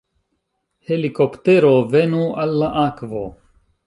Helikoptero... venu al la akvo!